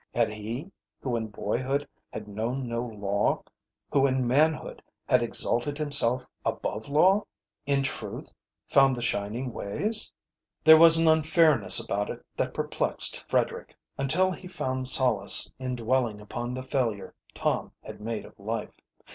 Had he, who in boyhood had known no law, who in manhood had exalted himself above law, in truth found the shining ways? There was an unfairness about it that perplexed Frederick, until he found solace in dwelling upon the failure Tom had made of life.